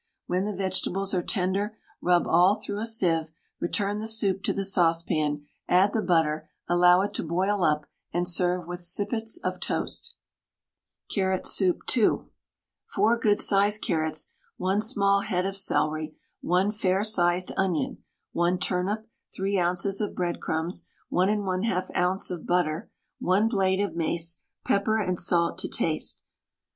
When the vegetables are tender, rub all through a sieve, return the soup to the saucepan, add the butter, allow it to boil up, and serve with sippets of toast. CARROT SOUP (2). 4 good sized carrots, 1 small head of celery, 1 fair sized onion, 1 turnip, 3 oz. of breadcrumbs, 1 1/2 oz. of butter, 1 blade of mace, pepper and salt to taste.